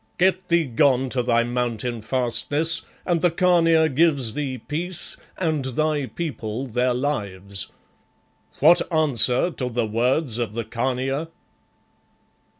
Get thee gone to thy Mountain fastness and the Khania gives thee peace, and thy people their lives. What answer to the words of the Khania?"